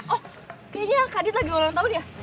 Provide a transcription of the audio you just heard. oh kayaknya kak adit lagi ulang tahun ya